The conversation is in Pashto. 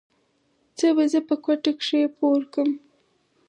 څه به زه په کوټه کښې پورکم.